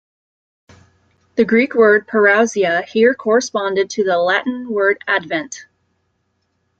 The Greek word parousia here corresponded to the Latin word advent.